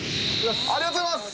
ありがとうございます。